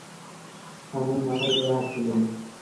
থামুন - মাথার উপরে হাত তুলুন।